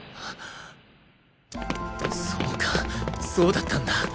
そうかそうだったんだ！